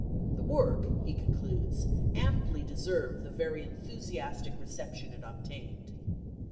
The work, he concludes, amply deserved the very enthusiastic reception it obtained.